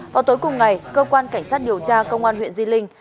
vào tối cùng ngày cơ quan cảnh sát điều tra công an huyện di linh